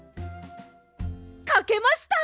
かけました！